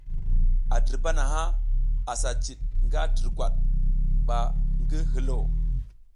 A dirba naha asa jid nga durgwad ɓa ngi hilo.